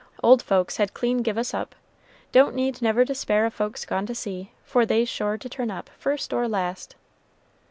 Old folks had clean giv' us up. Don't need never despair of folks gone to sea, for they's sure to turn up, first or last."